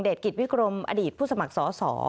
กิจวิกรมอดีตผู้สมัครสอสอ